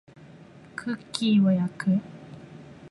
クッキーを焼く